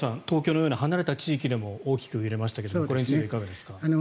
東京のような離れた地域でも大きく揺れましたけどこれについてはいかがですか。